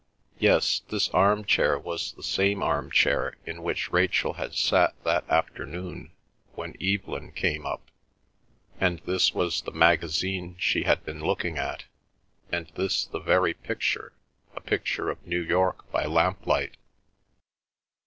Yes, this arm chair was the same arm chair in which Rachel had sat that afternoon when Evelyn came up, and this was the magazine she had been looking at, and this the very picture, a picture of New York by lamplight.